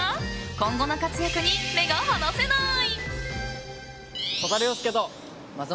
今後の活躍に目が離せない！